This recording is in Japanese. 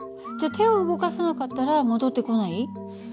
じゃあ手を動かさなかったら戻ってこない？